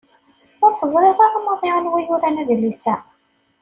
Ur teẓriḍ ara maḍi anwa yuran adlis-a?